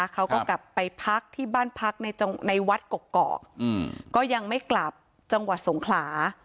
เขาก็กลับไปพักที่บ้านพักในวัดกกอกก็ยังไม่กลับจังหวัดสงขลา